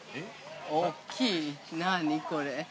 ◆大きい、何これ。